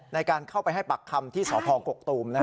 ในการเข้าไปให้ปากคำที่สพกกตูม